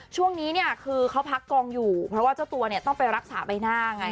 ช่วงนี้เนี่ยคือเขาพักกองอยู่เพราะว่าเจ้าตัวเนี่ยต้องไปรักษาใบหน้าไง